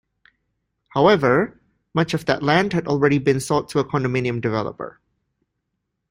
However, much of that land had already been sold to a condominium developer.